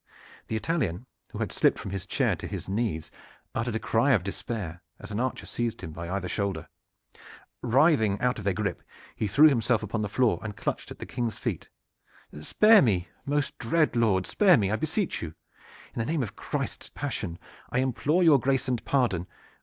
The Italian, who had slipped from his chair to his knees, uttered a cry of despair, as an archer seized him by either shoulder. Writhing out of their grip, he threw himself upon the floor and clutched at the King's feet. "Spare me, my most dread lord, spare me, I beseech you! In the name of Christ's passion, I implore your grace and pardon!